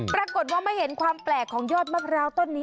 ปรากฏว่าไม่เห็นความแปลกของยอดมะพร้าวต้นนี้